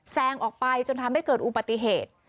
แซงออกไปจนทำให้เกิดอุบัติเหตุ